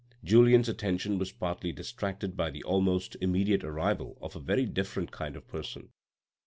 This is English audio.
Julien's attention was partly distracted by the almost immediate arrival of a very different kind of person.